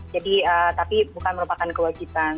jadi tapi bukan merupakan kewajiban